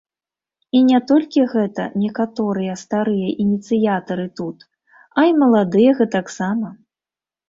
І не толькі гэта некаторыя старыя ініцыятары тут, а і маладыя гэтаксама!